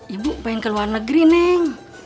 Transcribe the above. ibu pengen ke luar negeri neng